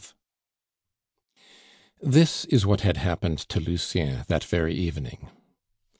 This is what had happened to Lucien that very evening.